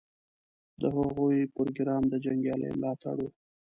د هغوی پروګرام د جنګیالیو ملاتړ و.